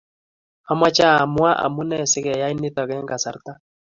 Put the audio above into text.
Amache amuaa amune sikeyai nitok eng kasarta